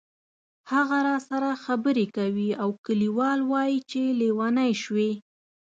هغه راسره خبرې کوي او کلیوال وایي چې لیونی شوې.